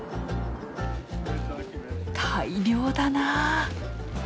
大量だな。